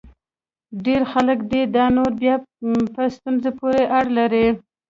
ډېر خلک دي؟ دا نو بیا په ستونزه پورې اړه لري.